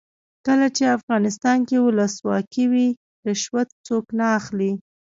کله چې افغانستان کې ولسواکي وي رشوت څوک نه اخلي.